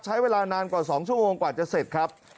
ใช้เวลานานกว่า๒ชั่วโมงกว่าจะเสร็จครับ